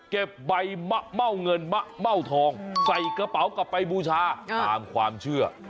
ใบมะเม่าเงินมะเม่าทองใส่กระเป๋ากลับไปบูชาตามความเชื่อ